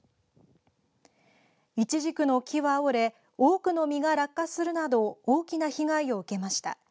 いちじくの木は折れ多くの実が落下するなど大きな被害を受けました。